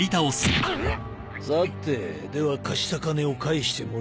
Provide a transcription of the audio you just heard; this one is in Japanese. さてでは貸した金を返してもらおうか。